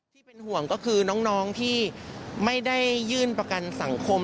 ที่เป็นห่วงก็คือน้องที่ไม่ได้ยื่นประกันสังคม